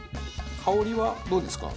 香りはどうですか？